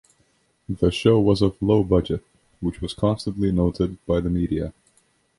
The show was of low budget, which was constantly noted by the media.